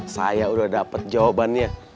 saya udah dapat jawabannya